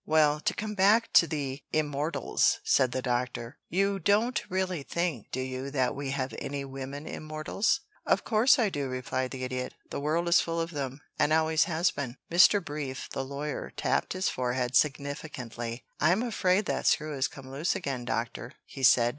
"Well, to come back to the Immortals," said the Doctor. "You don't really think, do you, that we have any women Immortals?" "Of course, I do," replied the Idiot. "The world is full of them, and always has been." Mr. Brief, the lawyer, tapped his forehead significantly. "I'm afraid that screw has come loose again, Doctor," he said.